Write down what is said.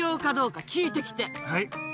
はい。